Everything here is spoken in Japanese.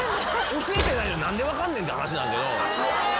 教えてないのに何で分かんねんって話なんだけど。